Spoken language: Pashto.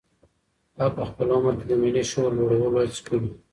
هغه په خپل عمر کې د ملي شعور لوړولو هڅې کړي.